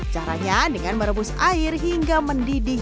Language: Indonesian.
caranya dengan merebus air hingga mendidih